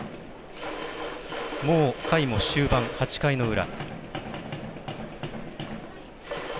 もう回も終盤、８回の裏。